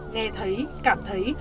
nghe thấy cảm thấy